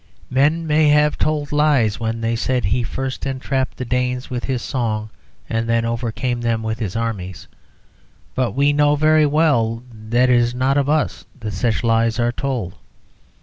Men may have told lies when they said that he first entrapped the Danes with his song and then overcame them with his armies, but we know very well that it is not of us that such lies are told.